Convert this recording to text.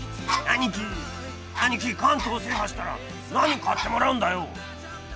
アニキ関東制覇したら何買ってもらうんだよ